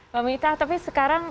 pak mita tapi sekarang